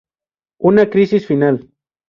Una crisis final.